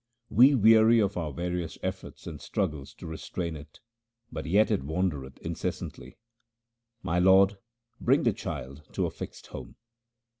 We weary of our various efforts and struggles to restrain it, but yet it wandereth incessantly. My Lord 5 bring the child to a fixed home.